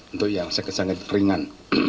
untuk yang sakit sakit ringan